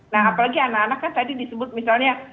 nah apalagi anak anak kan tadi disebut misalnya